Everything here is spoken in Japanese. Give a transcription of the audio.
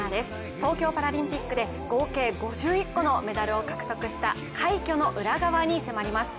東京パラリンピックで合計５１個のメダルを獲得した快挙の裏側に迫ります。